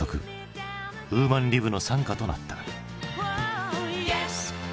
ウーマン・リブの賛歌となった。